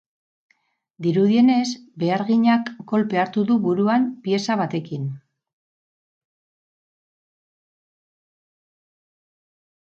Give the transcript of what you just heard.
Dirudienez, beharginak kolpea hartu du buruan pieza batekin.